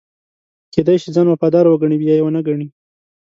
کېدای شي ځان وفادار وګڼي یا یې ونه ګڼي.